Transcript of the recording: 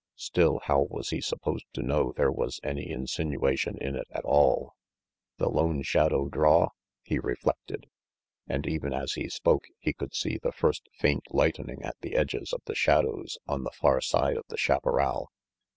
Still, how was he supposed to know there was any insinuation in it at all? "The Lone Shadow draw?" he reflected; and even as he spoke, he could see the first faint lightening at the edges of the shadows on the far side of the chaparral.